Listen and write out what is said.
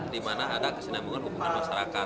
di mana ada kesenian menggunakan hubungan masyarakat